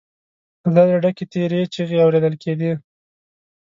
له درده ډکې تېرې چيغې اورېدل کېدې.